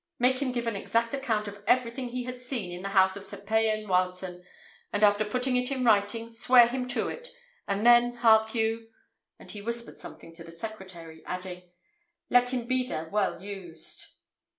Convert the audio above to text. Make him give an exact account of everything he has seen in the house of Sir Payan Wileton, and after putting it in writing, swear him to it; and then, hark you" and he whispered something to the secretary adding, "let him be there well used."